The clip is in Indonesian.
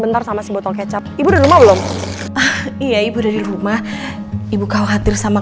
bentar sama botol kecap ibu rumah belum iya ibu udah di rumah ibu khawatir sama